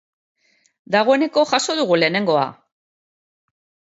Dagoeneko jaso dugu lehenengoa!